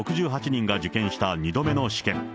３０６８人が受験した２度目の試験。